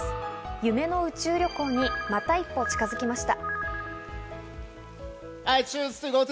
夢の宇宙旅行にまた一歩近づきました。